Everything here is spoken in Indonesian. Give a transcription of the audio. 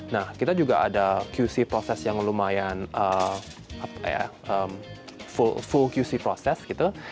nah kita juga ada qc proses yang lumayan full qc proses gitu